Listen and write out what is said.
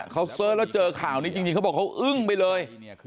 เขาเสิร์ชแล้วเจอข่าวนี้จริงเขาบอกเขาอึ้งไปเลย